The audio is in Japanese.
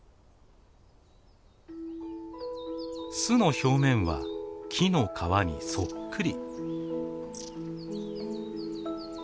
巣の表面は木の皮にそっくり。